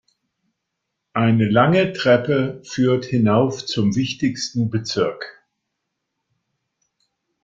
Eine lange Treppe führt hinauf zum wichtigsten Bezirk.